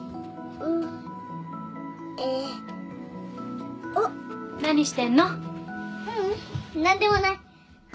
ううん何でもない。